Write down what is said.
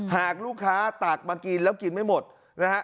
หากลูกค้าตักมากินแล้วกินไม่หมดนะฮะ